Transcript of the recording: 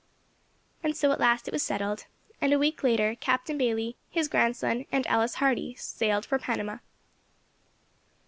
And so at last it was settled, and a week later Captain Bayley, his grandson, and Alice Hardy, sailed for Panama.